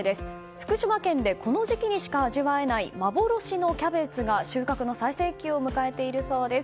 福島県でこの時期にしか味わえない幻のキャベツが、収穫の最盛期を迎えているそうです。